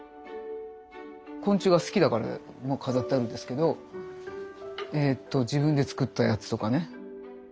昆虫が好きだから飾ってあるんですけど自分で作ったやつとかね。